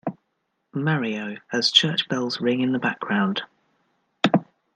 Mario, as church bells ring in the background.